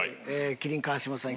麒麟川島さん